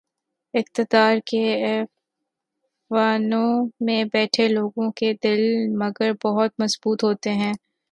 اقتدار کے ایوانوں میں بیٹھے لوگوں کے دل، مگر بہت مضبوط ہوتے ہیں۔